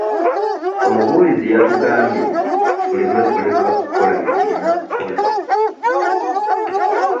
Omubuulizi yatugambye nti tuleme kuleka kukola bye tulina okukola.